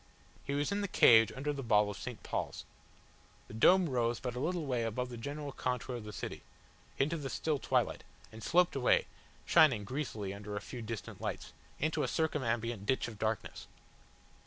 He was in the cage under the ball of St. Paul's. The dome rose but a little way above the general contour of the city, into the still twilight, and sloped away, shining greasily under a few distant lights, into a circumambient ditch of darkness.